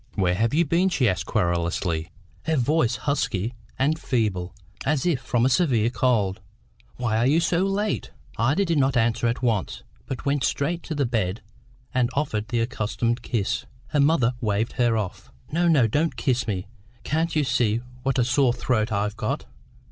"Where have you been?" she asked querulously, her voice husky and feeble, as if from a severe cold. "Why are you so late?" Ida did not answer at once, but went straight to the bed and offered the accustomed kiss. Her mother waved her off. "No, no; don't kiss me. Can't you see what a sore throat I've got?